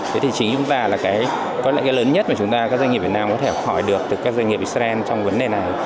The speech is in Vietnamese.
thế thì chính chúng ta là cái lớn nhất mà chúng ta các doanh nghiệp việt nam có thể học hỏi được từ các doanh nghiệp xrn trong vấn đề này